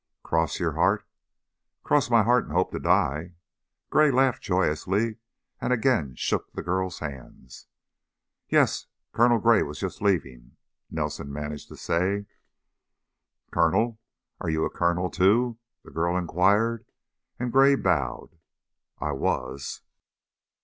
"Cross your heart?" "Cross my heart and hope to die." Gray laughed joyously and again shook the girl's hands. "Yes. Colonel Gray was just leaving," Nelson managed to say. "Colonel? Are you a colonel, too?" the girl inquired, and Gray bowed. "I was."